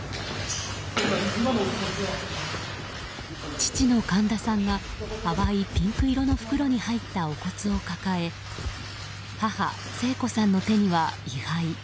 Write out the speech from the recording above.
父の神田さんが淡いピンク色の袋に入ったお骨を抱え母・聖子さんの手には位牌。